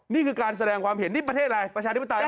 นี่คือการแสดงความเห็นนี่ประเทศอะไรประชาธิปไตย